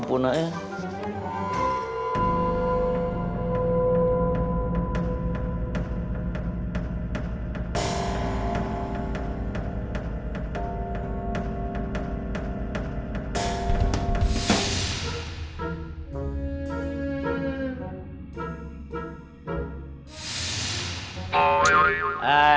ibu besarnya deskripsi saya saja udah sama